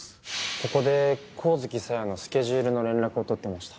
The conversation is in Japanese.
ここで神月沙代のスケジュールの連絡を取っていました。